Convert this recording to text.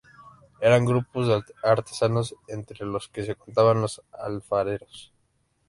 Eran grupos de artesanos entre los que se contaban los alfareros.